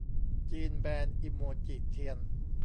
จีนแบนอิโมจิเทียน